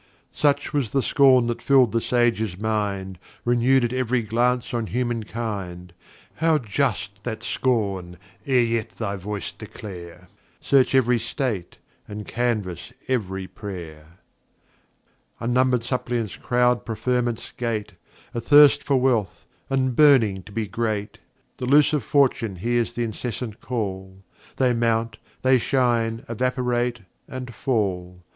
28 55.] Such was the Scorn that fill'd the Sage's Mind, Renew'd at ev'ry Glance on Humankind; How just that Scorn ere yet thy Voice declare, Search every State, and canvass ev'ry Pray'r. [e]Unnumber'd Suppliants croud Preferment's Gate, Athirst for Wealth, and burning to be great; Delusive Fortune hears th' incessant Call, They mount, they shine, evaporate, and fall.